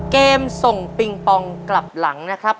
เกมส่งปิงปองกลับหลังนะครับ